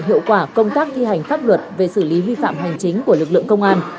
hiệu quả công tác thi hành pháp luật về xử lý vi phạm hành chính của lực lượng công an